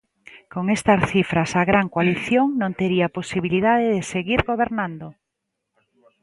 Con estas cifras a "gran coalición" non tería posibilidade de seguir gobernando.